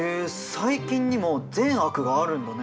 細菌にも善悪があるんだね。